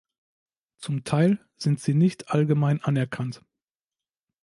Zum Teil sind sie nicht allgemein anerkannt.